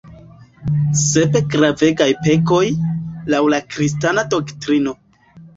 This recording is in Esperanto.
Sep gravegaj pekoj, laŭ la kristana doktrino.